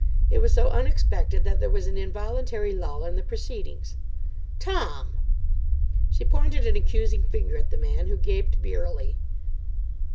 It was so unexpected that there was an involuntary lull in the proceedings. "Tom!" She pointed an accusing finger at the man, who gaped beerily.